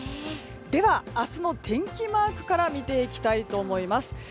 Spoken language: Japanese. では、明日の天気マークから見ていきたいと思います。